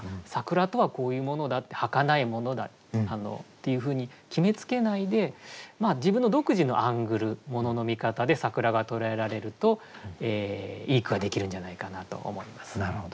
桜とはこういうものだってはかないものだっていうふうに決めつけないで自分の独自のアングルものの見方で桜が捉えられるといい句ができるんじゃないかなと思います。